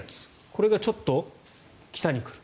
これがちょっと北に来る。